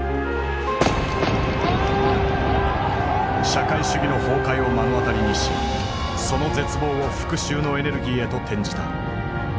社会主義の崩壊を目の当たりにしその絶望を復讐のエネルギーへと転じた。